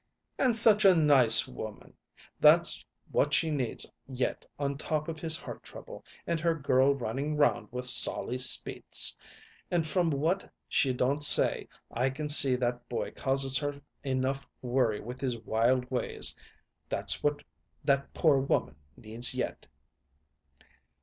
"And such a nice woman! That's what she needs yet on top of his heart trouble and her girl running round with Sollie Spitz; and, from what she don't say, I can see that boy causes her enough worry with his wild ways. That's what that poor woman needs yet!"